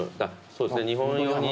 そうですね日本用に。